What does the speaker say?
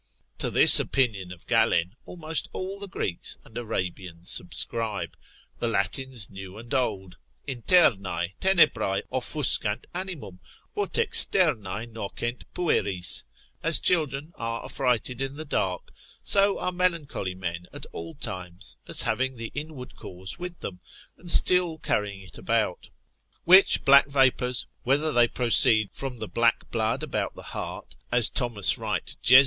To this opinion of Galen, almost all the Greeks and Arabians subscribe, the Latins new and old, internae, tenebrae offuscant animum, ut externae nocent pueris, as children are affrighted in the dark, so are melancholy men at all times, as having the inward cause with them, and still carrying it about. Which black vapours, whether they proceed from the black blood about the heart, as T. W. Jes.